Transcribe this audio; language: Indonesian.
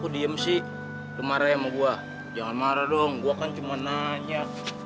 diam sih kemarin mau gua jangan marah dong gua kan cuma nanya